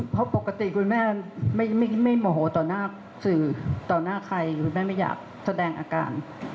เพราะปกติคุณแม่ไม่โมโหต่อหน้าสื่อต่อหน้าใครคุณแม่ไม่อยากแสดงอาการ